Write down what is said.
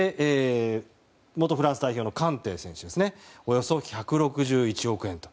元フランス代表のカンテ選手はおよそ１６１億円と。